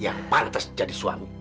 yang pantas jadi suami